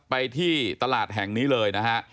ไปที่ตลาดแห่งนี้เลยนะฮะ